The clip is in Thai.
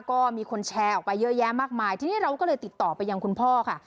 ก็มีคนแชร์ออกไปเยอะแยะมากมายทีนี้เราก็เลยติดต่อไปยังคุณพ่อค่ะ